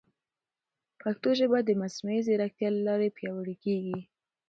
پښتو ژبه د مصنوعي ځیرکتیا له لارې پیاوړې کیږي.